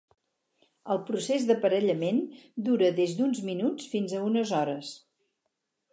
El procés d'aparellament dura des d'uns minuts fins a unes hores.